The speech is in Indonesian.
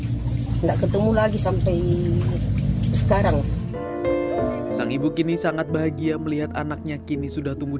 tidak ketemu lagi sampai sekarang sang ibu kini sangat bahagia melihat anaknya kini sudah tumbuh